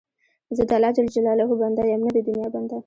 زه د الله جل جلاله بنده یم، نه د دنیا بنده.